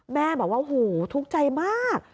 แม่บอกว่าหูทุกข์ใจมาก